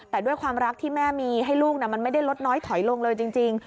แต่ด้วยความรักที่แม่มีให้ลูกมันไม่ได้ลดน้อยถอยลงเลยจริง